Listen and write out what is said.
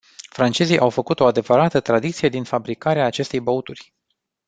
Francezii au făcut o adevărată tradiție din fabricarea acestei băuturi.